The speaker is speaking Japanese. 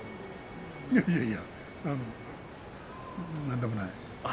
いやいやなんでもない。